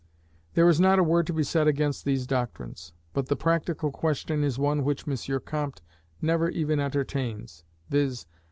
There is not a word to be said against these doctrines: but the practical question is one which M. Comte never even entertains viz.